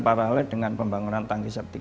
paralel dengan pembangunan tangki septi